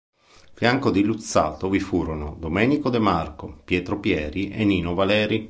A fianco di Luzzatto vi furono Domenico Demarco, Piero Pieri e Nino Valeri.